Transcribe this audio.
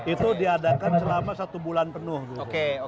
itu diadakan selama satu bulan penuh